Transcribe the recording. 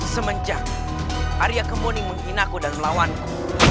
semenjak arya kemoni menghina aku dan melawan aku